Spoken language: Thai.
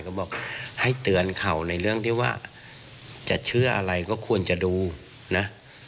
ก็บอกให้เตือนเขาในเรื่องที่ว่าจะเชื่ออะไรก็ควรจะดูนะ